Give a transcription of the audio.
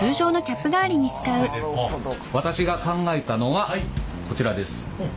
私が考えたのはこちらです。